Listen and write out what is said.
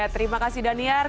terima kasih daniar